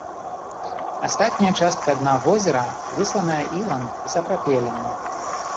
Астатняя частка дна возера высланая ілам і сапрапелем.